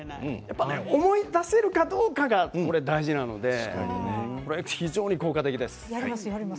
思い出せるかどうかが大事なので非常に効果的です。